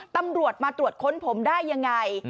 ตำรวจมาตรวจค้นผมได้ยังไง